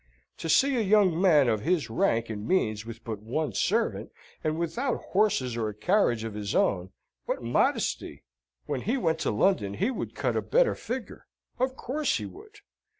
To see a young man of his rank and means with but one servant, and without horses or a carriage of his own what modesty! When he went to London he would cut a better figure? Of course he would.